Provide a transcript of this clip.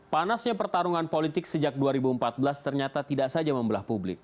panasnya pertarungan politik sejak dua ribu empat belas ternyata tidak saja membelah publik